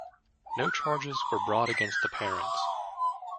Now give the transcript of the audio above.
No charges were brought against the parents.